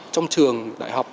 trong trường đại học